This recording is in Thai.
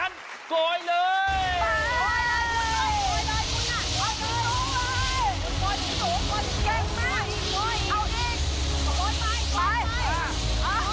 เมื่อพวกเราพร้อมแล้ว